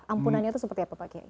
ampunannya itu seperti apa pak kiai